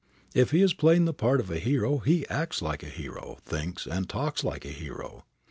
If he is playing the part of a hero he acts like a hero, thinks and talks like a hero.